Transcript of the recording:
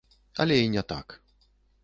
Але і не так.